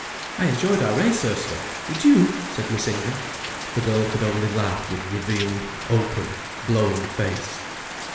"I enjoyed our race, Ursula, did you?" said Miss Inger. The girl could only laugh with revealed, open, glowing face.